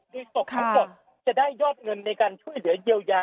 โดยศพทั้งหมดจะได้ยอดเงินในการช่วยเหลือเยียวยา